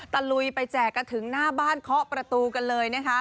ลุยไปแจกกันถึงหน้าบ้านเคาะประตูกันเลยนะคะ